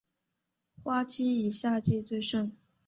花期以夏季最盛。